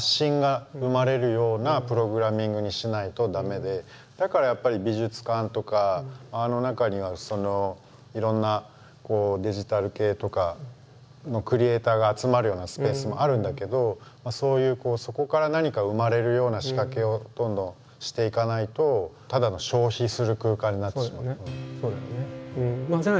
そこから何かだからやっぱり美術館とかあの中にはいろんなデジタル系とかのクリエーターが集まるようなスペースもあるんだけどそういうそこから何か生まれるような仕掛けをどんどんしていかないとただの消費する空間になってしまう。